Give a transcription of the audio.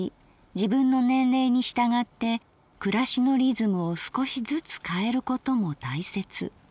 自分の年齢に従って暮しのリズムを少しずつ変えることも大切。